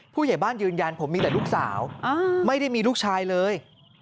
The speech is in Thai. ผู้ใหญ่บ้านยืนยันผมมีแต่ลูกสาวไม่ได้มีลูกชายเลย